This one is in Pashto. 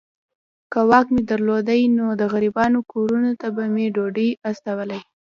که واک مي درلودای نو د غریبانو کورونو ته به مي ډوډۍ استولې.